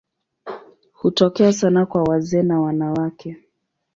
Hutokea sana kwa wazee na wanawake.